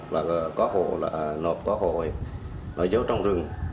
và có hộ là nộp có hộ ấy nó dấu trong rừng